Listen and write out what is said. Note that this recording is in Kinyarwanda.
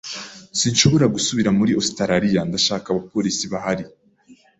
Sinshobora gusubira muri Ositaraliya. Ndashaka n'abapolisi bahari.